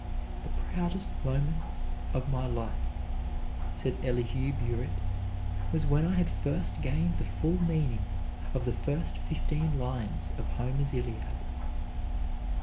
"The proudest moment of my life," said Elihu Burritt, "was when I had first gained the full meaning of the first fifteen lines of Homer's Iliad."